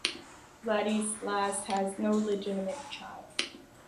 Vladislas has no legitimate child.